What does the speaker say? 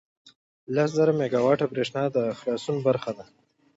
لس زره میګاوټه بریښنا د خلاصون برخه ده.